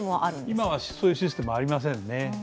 今はそういうシステムありませんね。